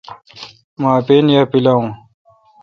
مہ اپین یا پیلاوین۔